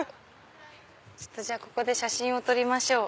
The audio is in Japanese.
ここで写真を撮りましょう。